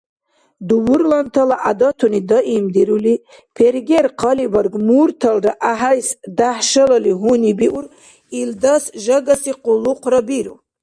Дубурлантала гӀядатуни даимдирули, пергер хъалибарг мурталра гӀяхӀяйс дяхӀ шалали гьунибиур, илдас жагаси къуллукъра биру.